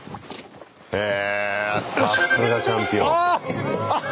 へさすがチャンピオン。